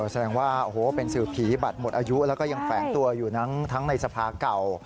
แสดงว่าโอ้โหเป็นสื่อผีบัตรหมดอายุแล้วก็ยังแฝงตัวอยู่ทั้งในสภาเก่า